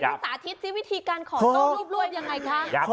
อุ๊ยไหนคุณสาธิตสิวิธีการขอโชครูปยังไงคะ